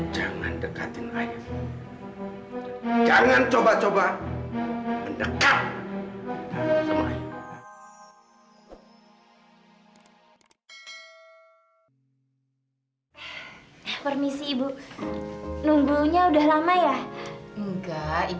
jangan coba coba mendekat